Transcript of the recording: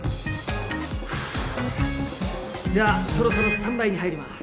ふぅじゃあそろそろスタンバイに入ります。